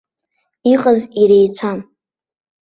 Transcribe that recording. Иҟаз иреицәан.